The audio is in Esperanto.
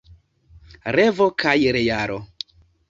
Revo kaj realo.